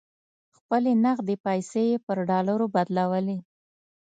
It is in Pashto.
خپلې نغدې پیسې یې پر ډالرو بدلولې.